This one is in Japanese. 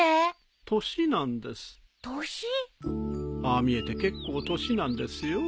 ああ見えて結構年なんですよ。